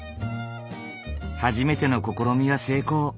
初めての試みは成功。